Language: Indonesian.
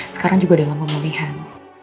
sekarang juga dalam pemulihan